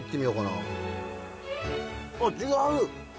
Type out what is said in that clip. あっ違う！